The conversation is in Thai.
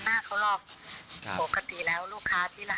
หน้าตาก็ไม่ได้ยิ้มแย้มหน้าตาก็ไม่ได้ยิ้มแย้ม